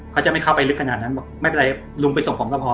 เขาจะไม่เข้าไปลึกขนาดนั้นบอกไม่เป็นไรลุงไปส่งผมก็พอ